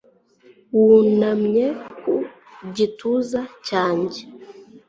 wunamye ku gituza cyanjye